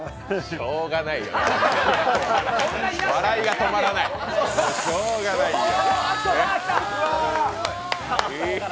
しょうがないよ、笑いが止まらない、しょうがないよ。